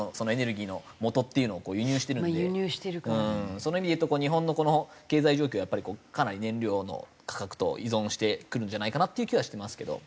その意味で言うと日本のこの経済状況はかなり燃料の価格と依存してくるんじゃないかなっていう気はしてますけど。